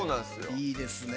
いいですね。